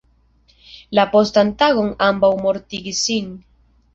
La postan tagon ambaŭ mortigis sin.